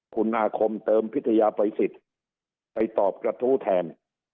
คุณอาคมเติมพิทยาภัยสิทธิ์ไปตอบกระทู้แทน